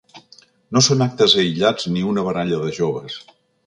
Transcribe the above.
No són actes aïllats ni una baralla de joves.